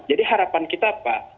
jadi harapan kita apa